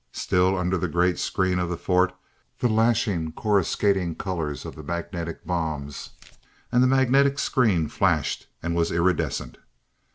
Still under the great screen of the fort, the lashing, coruscating colors of the magnetic bombs and the magnetic screen flashed and was iridescent.